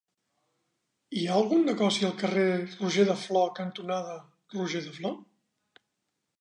Hi ha algun negoci al carrer Roger de Flor cantonada Roger de Flor?